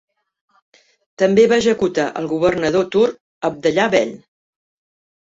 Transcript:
També va executar el governador turc Abdallah Bey.